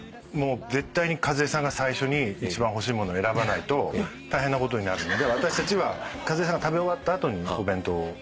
絶対に和恵さんが最初に一番欲しいもの選ばないと大変なことになるんで私たちは和恵さんが食べ終わった後にお弁当を。